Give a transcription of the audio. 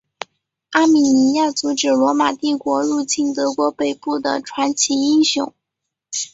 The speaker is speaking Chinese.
阿米尼亚阻止罗马帝国入侵德国北部的传奇英雄。